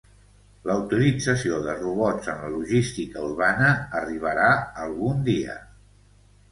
La utilització de robots en la logística urbana arribarà algun dia.